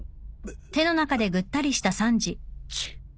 チッ。